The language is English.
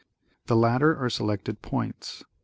The latter are selected points.